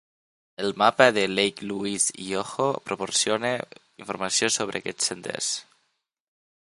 El mapa de Lake Louise i Yoho proporciona informació sobre aquests senders.